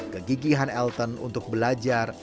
kegigihan elton untuk belajar